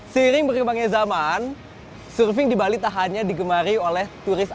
seiring berkembangnya zaman surfing di bali tak hanya digemari oleh turis asing